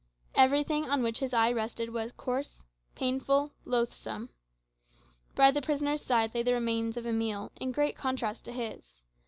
Everything on which his eye rested was coarse, painful, loathsome. By the prisoner's side lay the remains of a meal, in great contrast to his.